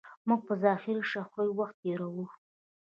موږ په ظاهري شخړو وخت تېروو.